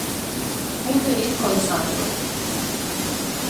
Fun feliz con Sandro.